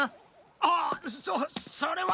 ああっそそれは。